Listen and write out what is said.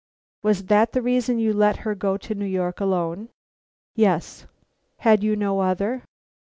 "Was that the reason you let her go to New York alone?" "Yes." "Had you no other?"